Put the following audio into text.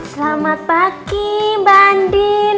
selamat pagi bandin